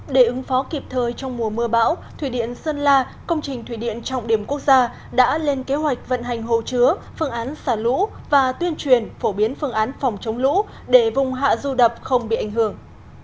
để ứng phó kịp thời trong mùa mưa bão thủy điện sơn la công trình thủy điện trọng điểm quốc gia đã lên kế hoạch vận hành hồ chứa phương án xả lũ và tuyên truyền phổ biến phương án phòng chống lũ để vùng hạ du đập không bị ảnh hưởng